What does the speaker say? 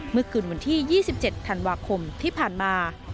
เมื่อคืนวันที่๒๗ธันวาคมที่ผ่านมา